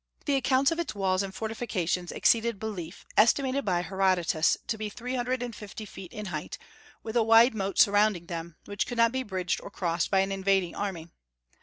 The accounts of its walls and fortifications exceed belief, estimated by Herodotus to be three hundred and fifty feet in height, with a wide moat surrounding them, which could not be bridged or crossed by an invading army.